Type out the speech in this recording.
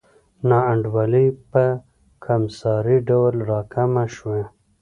نا انډولي په کمسارې ډول راکمه شوه.